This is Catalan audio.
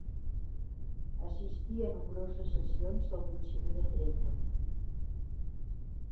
Assistí a nombroses sessions del concili de Trento.